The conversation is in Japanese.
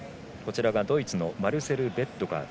ドイツのマルセル・ベットガー。